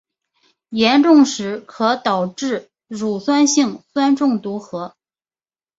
严重时可导致乳酸性酸中毒和。